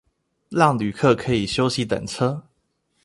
讓旅客可以休息等車